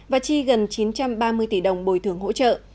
và chi gần chín trăm ba mươi tỷ đồng bồi thường hỗ trợ